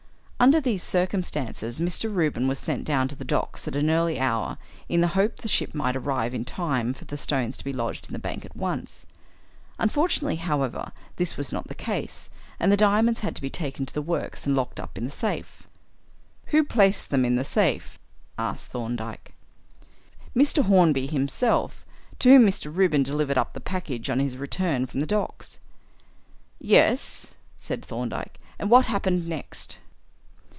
Under these circumstances Mr. Reuben was sent down to the docks at an early hour in the hope the ship might arrive in time for the stones to be lodged in the bank at once. Unfortunately, however, this was not the case, and the diamonds had to be taken to the works and locked up in the safe." "Who placed them in the safe?" asked Thorndyke. "Mr. Hornby himself, to whom Mr. Reuben delivered up the package on his return from the docks." "Yes," said Thorndyke, "and what happened next?"